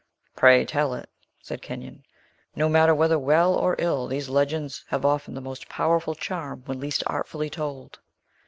"Pray tell it," said Kenyon; "no matter whether well or ill. These wild legends have often the most powerful charm when least artfully told."